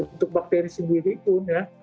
untuk bakteri sendiri pun